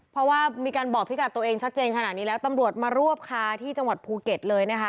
เพราะว่ามีการบอกพี่กัดตัวเองชัดเจนขนาดนี้แล้วตำรวจมารวบคาที่จังหวัดภูเก็ตเลยนะคะ